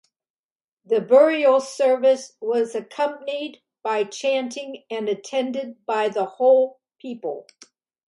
The burial service was accompanied by chanting and attended by the whole people.